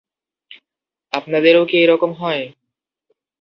আপনাদেরও কি এই রকম হয়?